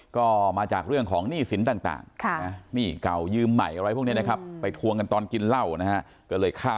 ก็มาจากเรื่องของหนี้สินต่าง